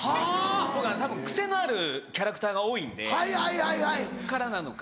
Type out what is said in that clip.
僕はたぶんクセのあるキャラクターが多いんでそっからなのか。